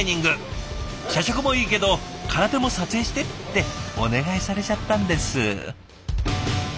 「社食もいいけど空手も撮影して」ってお願いされちゃったんです。